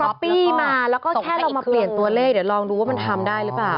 ปี้มาแล้วก็แค่เรามาเปลี่ยนตัวเลขเดี๋ยวลองดูว่ามันทำได้หรือเปล่า